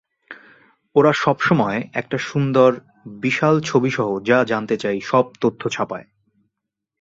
ওরা সবসময় একটা সুন্দর, বিশাল ছবিসহ যা জানতে চাই সব তথ্য ছাপায়।